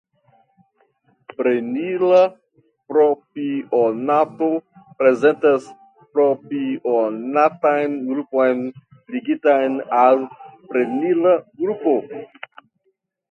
Prenila propionato prezentas propionatan grupon ligitan al prenila grupo.